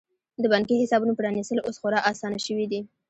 د بانکي حسابونو پرانیستل اوس خورا اسانه شوي دي.